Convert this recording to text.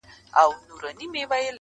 ستا پر لوري د اسمان سترګي ړندې دي؛